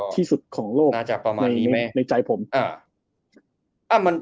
ที่สุดของโลกในใจผม